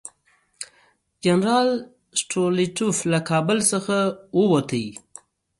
جنرال سټولیټوف له کابل څخه ووت.